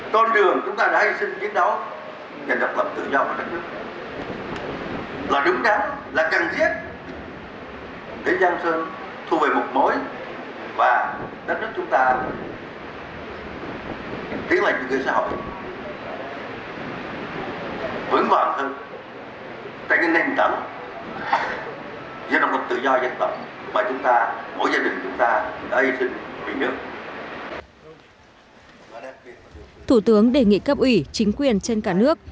tương minh bệnh binh gia đình chính sách đối với sự nghiệp đấu tranh giành độc lập dân tộc tự do của tổ quốc